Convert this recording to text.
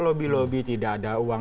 lobby lobby tidak ada uang